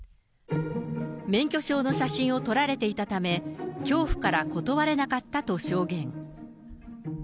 免許証の写真を撮られていたため、恐怖から断れなかったと証言。